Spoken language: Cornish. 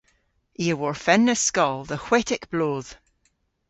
I a worfennas skol dhe hwetek bloodh.